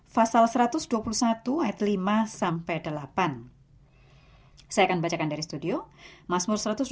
dan sesuai dengan kehendak roh kudus